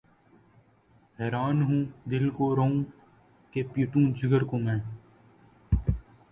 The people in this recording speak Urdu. حیراں ہوں‘ دل کو روؤں کہ‘ پیٹوں جگر کو میں